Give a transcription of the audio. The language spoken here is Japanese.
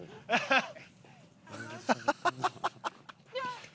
ハハハハ！